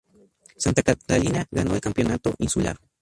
Santa Catalina, ganó el campeonato insular.